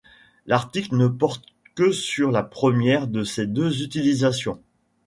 L'article ne porte que sur la première de ces deux utilisations.